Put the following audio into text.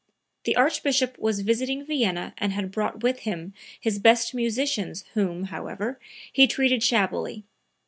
The Archbishop was visiting Vienna and had brought with him his best musicians whom, however, he treated shabbily.